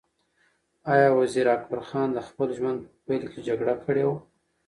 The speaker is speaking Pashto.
ایا وزیر اکبر خان د خپل ژوند په پیل کې جګړه کړې وه؟